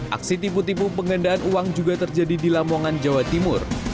aksi tipu tipu penggandaan uang juga terjadi di lamongan jawa timur